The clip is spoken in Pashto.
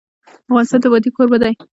افغانستان د وادي کوربه دی.